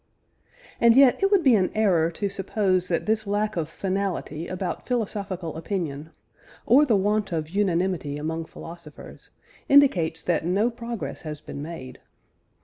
And yet it would be an error to suppose that this lack of finality about philosophical opinion, or the want of unanimity among philosophers, indicates that no progress has been made.